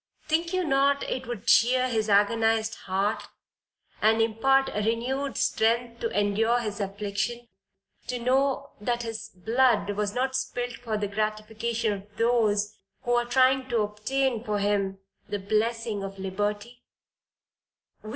Think you not it would cheer his agonized heart, and impart renewed strength to endure his affliction, to know that his blood was not spilt for the gratification of those who are trying to obtain for him the blessing of liberty.